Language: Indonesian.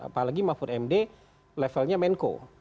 apalagi mahfud md levelnya menko